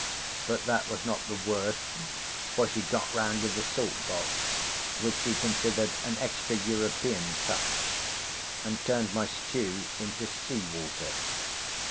But that was not the worst, for she got round with the salt box, which she considered an extra European touch, and turned my stew into sea water.